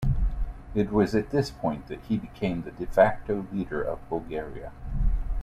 It was at this point that he became the "de facto" leader of Bulgaria.